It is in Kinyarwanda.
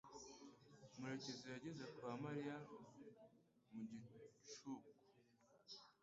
Murekezi yageze kwa Mariya mu gicuku.